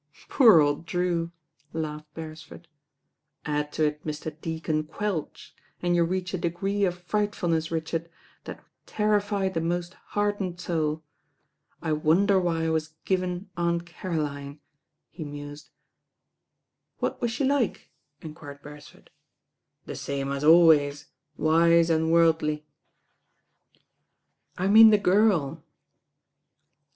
*mm^Vreyr," laughed Beresford. "Add to »^#^r. Deacon Quelch, and you reach a degree of frlghtfu hlMti Richard, that would terrify the most h drdcnti ^fJL^ I wonder why I was given Aunt Caroline?" he n^ifljfL "What was she like?*' enquired Beresford. "The same as always, wiarWd worldly." "I mean the girl."